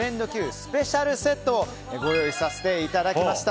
スペシャルセットをご用意させていただきました。